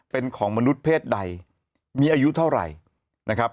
เป็นของมนุษย์เพศใดมีอายุเท่าไหร่นะครับ